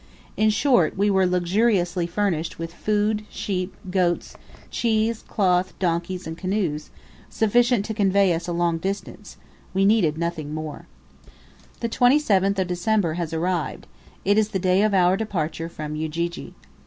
In short, we were luxuriously furnished with food, sheep, goats, cheese, cloth, donkeys, and canoes, sufficient to convey us a long distance; we needed nothing more. The 27th of December has arrived; it is the day of our departure from Ujiji.